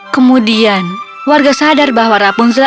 kemudian warga sadar bahwa rapunzelen